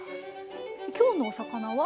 今日のお魚は？